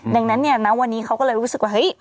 ดังนั้นวันนี้เขาก็เลยรู้สึกว่า